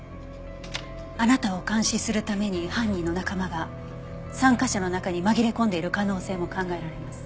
あなたを監視するために犯人の仲間が参加者の中に紛れ込んでいる可能性も考えられます。